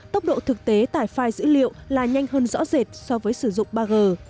tốc độ thực tế tải file dữ liệu là nhanh hơn rõ rệt so với sử dụng ba g